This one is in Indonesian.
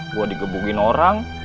gua digebukin orang